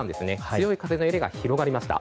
強い風のエリアが広がりました。